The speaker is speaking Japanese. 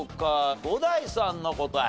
伍代さんの答え。